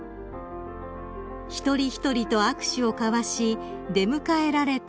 ［一人一人と握手を交わし出迎えられた陛下］